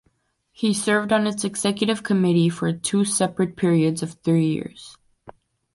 He served on its executive committee for two separate periods of three years.